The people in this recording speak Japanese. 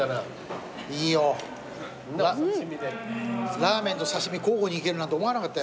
ラーメンと刺し身交互にいけるなんて思わなかったよ。